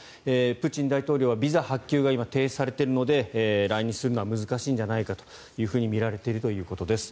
プーチン大統領はビザ発給が今停止されているので来日するのは難しいんじゃないかとみられているということです。